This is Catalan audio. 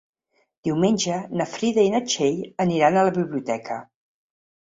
Diumenge na Frida i na Txell aniran a la biblioteca.